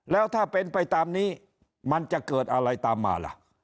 แล้วถ้าเป็นไปตามนี้มันจะเกิดอะไรตามมาล่ะ